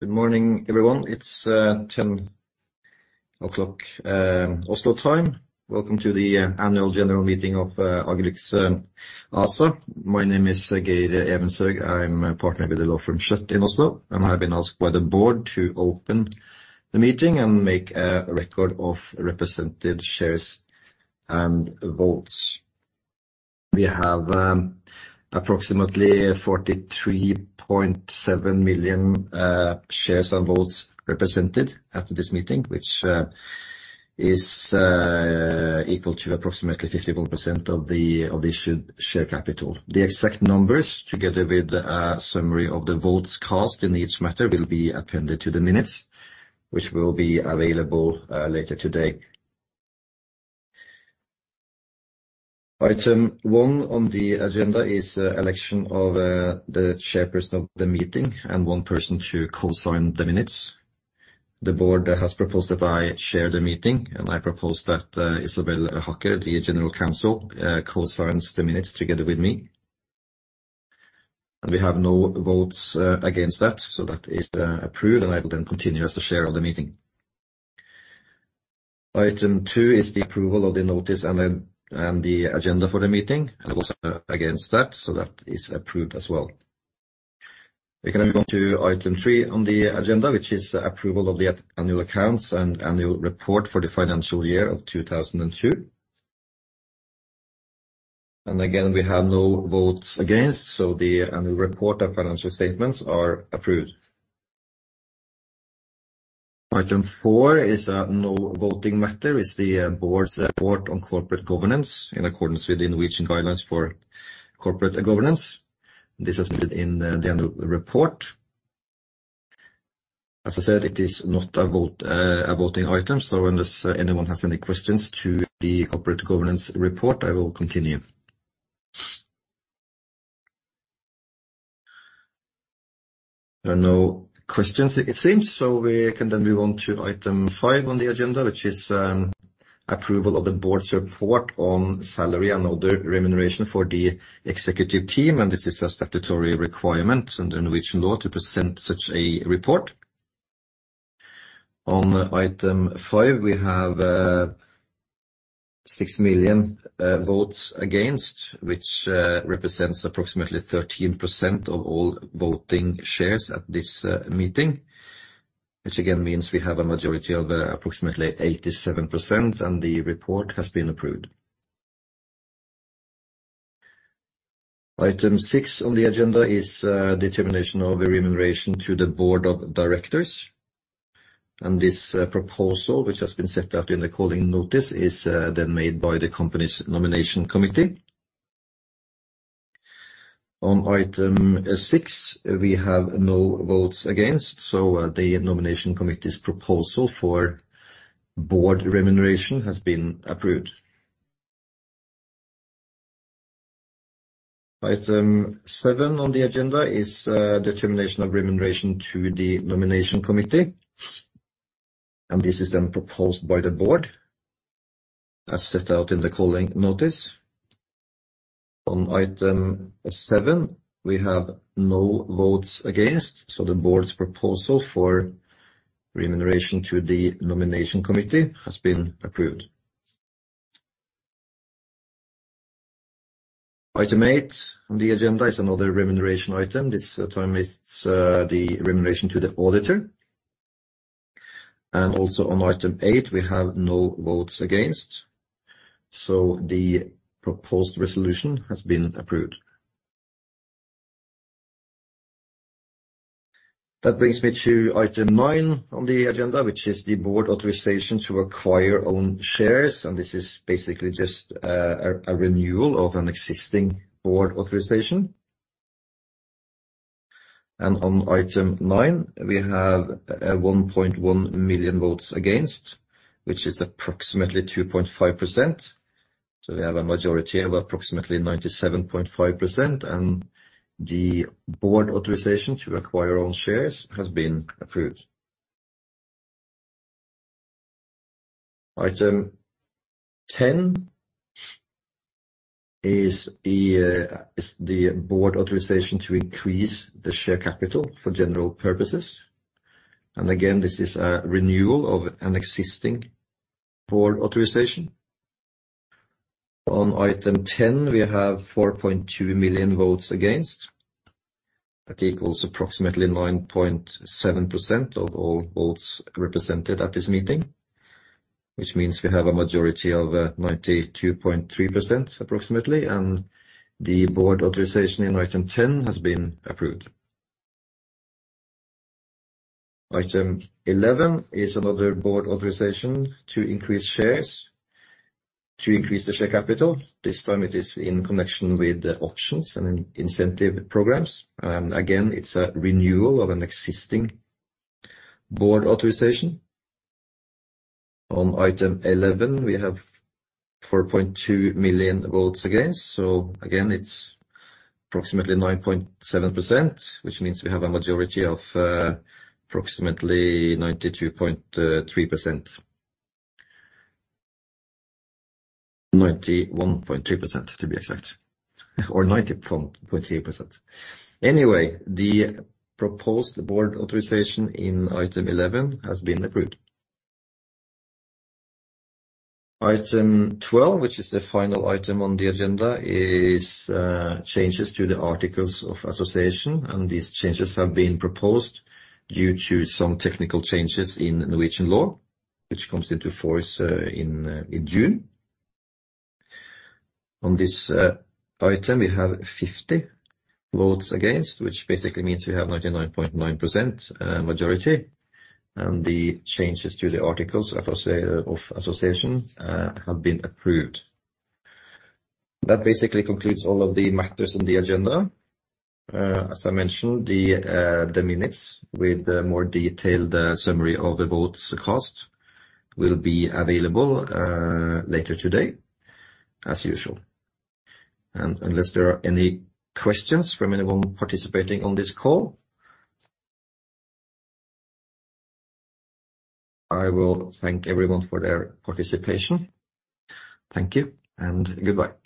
Good morning, everyone. It's 10:00 A.M. Oslo time. Welcome to the annual general meeting of Agilyx ASA. My name is Geir Evenshaug. I'm a Partner with the law firm Schjødt and I've been asked by the board to open the meeting and make a record of represented shares and votes. We have approximately 43.7 million shares and votes represented at this meeting, which is equal to approximately 51% of the issued share capital. The exact numbers together with a summary of the votes cast in each matter will be appended to the minutes, which will be available later today. Item one on the agenda is election of the chairperson of the meeting and one person to co-sign the minutes. The board has proposed that I chair the meeting, and I propose that Isabelle Haak, the General Counsel, co-signs the minutes together with me. We have no votes against that, so that is approved, and I will then continue as the chair of the meeting. Item two is the approval of the notice and the agenda for the meeting. There was against that, so that is approved as well. We can move on to item three on the agenda which is the approval of the annual accounts and annual report for the financial year of 2002. Again, we have no votes against, so the annual report and financial statements are approved. Item four is no voting matter. It's the board's report on corporate governance in accordance with the Norwegian guidelines for corporate governance. This is included in the annual report. As I said, it is not a vote, a voting item so unless anyone has any questions to the corporate governance report, I will continue. There are no questions it seems, we can then move on to item five on the agenda, which is approval of the board's report on salary and other remuneration for the executive team. This is a statutory requirement under Norwegian law to present such a report. On item five, we have six million votes against, which represents approximately 13% of all voting shares at this meeting. Which again means we have a majority of approximately 87%, and the report has been approved. Item six on the agenda is determination of remuneration to the board of directors. This proposal, which has been set out in the calling notice is then made by the company's nomination committee. On item six, we have no votes against, so the nomination committee's proposal for board remuneration has been approved. Item seven, on the agenda is determination of remuneration to the nomination committee. This is then proposed by the board as set out in the calling notice. On item seven, we have no votes against, so the board's proposal for remuneration to the nomination committee has been approved. Item eight, on the agenda is another remuneration item this time it's the remuneration to the auditor. Also on item eight, we have no votes against, so the proposed resolution has been approved. That brings me to item nine on the agenda, which is the board authorization to acquire own shares and this is basically just a renewal of an existing board authorization. On item nine, we have one point one million votes against, which is approximately 2.5%. We have a majority of approximately 97.5%, and the board authorization to acquire own shares has been approved. Item 10 is the board authorization to increase the share capital for general purposes. Again, this is a renewal of an existing board authorization. On item 10, we have four point two million votes against. That equals approximately 9.7% of all votes represented at this meeting, which means we have a majority of 92.3% approximately, and the board authorization in item 10 has been approved. Item 11, is another board authorization to increase shares to increase the share capital. This time it is in connection with options and incentive programs. Again, it's a renewal of an existing board authorization. On item 11, we have four point two million votes against. Again, it's approximately 9.7%, which means we have a majority of approximately 92.3%. 91.3% to be exact or 90.3%. Anyway, the proposed board authorization in item 11 has been approved. Item 12, which is the final item on the agenda is changes to the articles of association. These changes have been proposed due to some technical changes in Norwegian law, which comes into force in June. On this item, we have 50 votes against, which basically means we have 99.9% majority. The changes to the articles of association have been approved. That basically concludes all of the matters on the agenda. As I mentioned, the minutes with the more detailed summary of the votes cast will be available later today as usual. Unless there are any questions from anyone participating on this call, I will thank everyone for their participation. Thank you and goodbye.